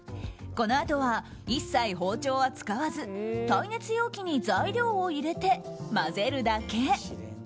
このあとは一切包丁は使わず耐熱容器に材料を入れて混ぜるだけ。